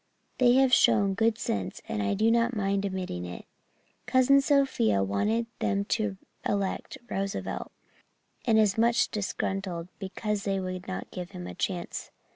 They have shown good sense and I do not mind admitting it. Cousin Sophia wanted them to elect Roosevelt, and is much disgruntled because they would not give him a chance.